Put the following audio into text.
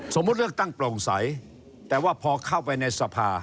เลือกตั้งโปร่งใสแต่ว่าพอเข้าไปในสภา